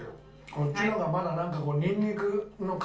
こっちの方がまだなんか。